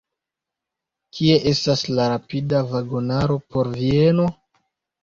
Kie estas la rapida vagonaro por Vieno?